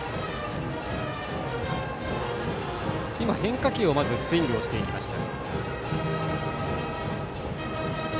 変化球をまずスイングしていきました。